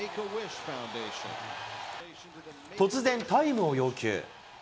突然、タイムを要求。